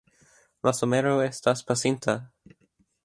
La somero estas pasinta.